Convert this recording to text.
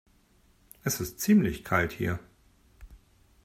Es ist ziemlich kalt hier.